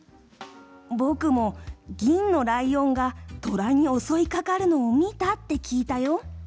僕も銀のライオンがトラに襲いかかるのを見たって聞いたよ。